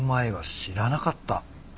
知らなかった。